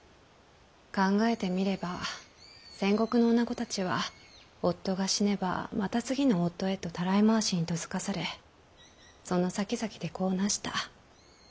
考えてみれば戦国の女子たちは夫が死ねばまた次の夫へとたらい回しに嫁がされそのさきざきで子をなした。